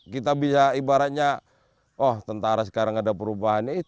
kita bisa ibaratnya oh tentara sekarang ada perubahan